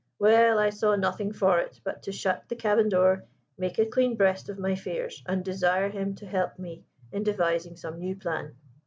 "Well, I saw nothing for it but to shut the cabin door, make a clean breast of my fears, and desire him to help me in devising some new plan.